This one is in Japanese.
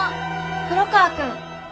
黒川くん